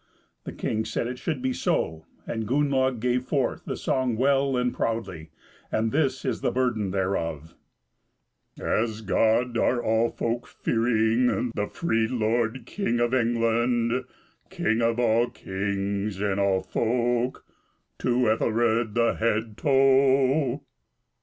The king said it should be so, and Gunnlaug gave forth the song well and proudly; and this is the burden thereof: "As God are all folk fearing The free lord King of England, Kin of all kings and all folk, To Ethelred the head tow."